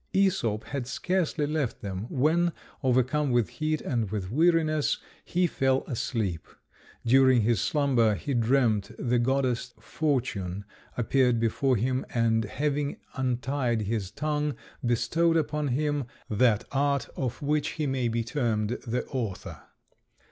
Æsop had scarcely left them, when, overcome with heat and with weariness, he fell asleep. During his slumber he dreamt the goddess Fortune appeared before him, and, having untied his tongue, bestowed upon him that art of which he may be termed the author.